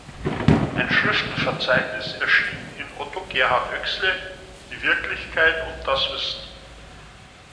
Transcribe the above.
Ein Schriftenverzeichnis erschien in Otto Gerhard Oexle: "Die Wirklichkeit und das Wissen.